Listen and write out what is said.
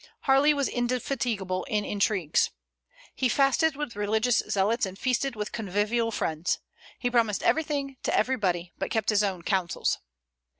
Harley was indefatigable in intrigues. "He fasted with religious zealots and feasted with convivial friends." He promised everything to everybody, but kept his own counsels.